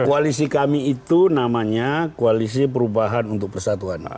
koalisi kami itu namanya koalisi perubahan untuk persatuan